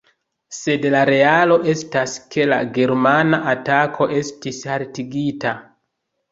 Sed la realo estas, ke la germana atako estis haltigita.